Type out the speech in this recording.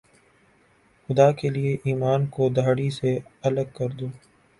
خدا کے لئے ایمان کو داڑھی سے الگ کر دو